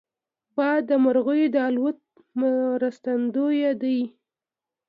باد د مرغیو د الوت مرستندوی دی